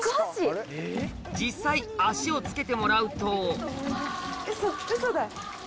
実際足をつけてもらうとウソウソだ！